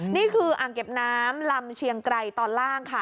นี่คืออ่างเก็บน้ำลำเชียงไกรตอนล่างค่ะ